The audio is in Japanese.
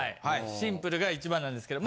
シンプルが一番なんですけど。